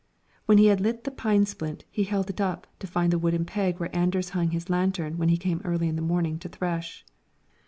When he had lit the pine splint, he held it up to find the wooden peg where Anders hung his lantern when he came early in the morning to thresh.